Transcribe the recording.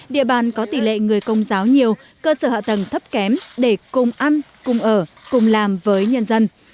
địa bàn có tỷ lệ người công giáo nhiều cơ sở hạ tầng thấp kém để cùng ăn cùng ở cùng làm với nhân dân